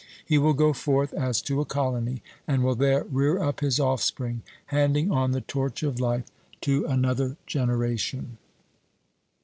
He will go forth as to a colony, and will there rear up his offspring, handing on the torch of life to another generation.